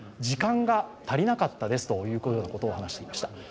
時間が足りなかったですということを話していました。